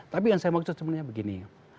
tapi yang saya maksud sebenarnya begini